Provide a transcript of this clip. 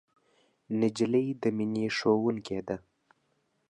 نجلۍ د مینې ښوونکې ده.